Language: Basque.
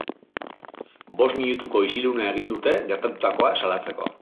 Bost minutuko isilunea egin dute, gertatutakoa salatzeko.